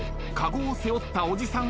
籠を背負ったおじさん